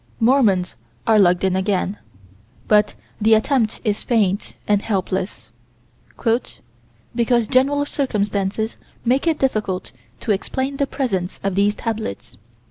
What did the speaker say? Mormons are lugged in again, but the attempt is faint and helpless "because general circumstances make it difficult to explain the presence of these tablets."